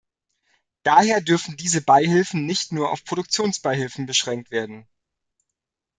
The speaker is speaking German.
Daher dürfen diese Beihilfen nicht nur auf Produktionsbeihilfen beschränkt werden.